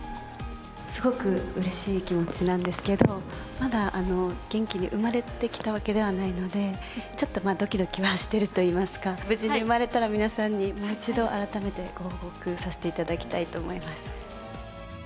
すごくうれしい気持ちなんですけど、まだ元気に産まれてきたわけではないので、ちょっとドキドキはしているといいますか、無事に産まれたら、皆さんにもう一度改めてご報告させていただきたいと思います。